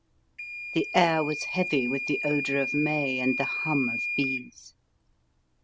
The air was heavy with the odour of May and the hum of bees.